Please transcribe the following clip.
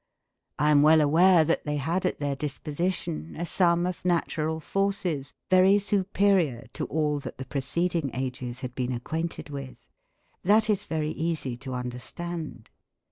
I am well aware that they had at their disposition a sum of natural forces very superior to all that the preceding ages had been acquainted with. That is very easy to understand.